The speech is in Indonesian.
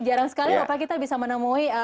jarang sekali bapak kita bisa menemui